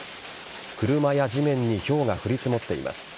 車や地面にひょうが降り積もっています。